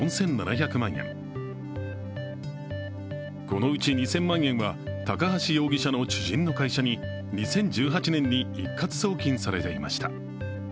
このうち２０００万円は高橋容疑者の知人の会社に２０１８年に一括送金されていました。